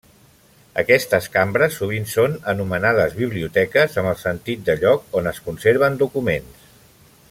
Aquestes cambres sovint són anomenades biblioteques amb el sentit de lloc on es conserven documents.